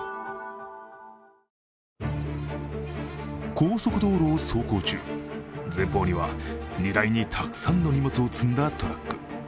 高速道路を走行中前方には荷台にたくさんの荷物を積んだトラック。